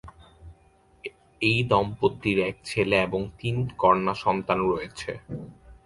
এই দম্পতির এক ছেলে এবং তিন কন্যা সন্তান রয়েছে।